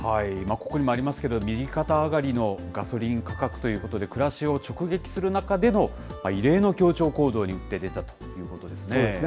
ここにもありますけれども、右肩上がりのガソリン価格ということで、暮らしを直撃する中での、異例の協調行動に打って出たということですね。